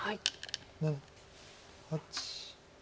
７８。